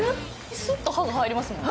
スッと歯が入りますもんね。